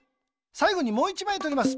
さいごにもう１まいとります。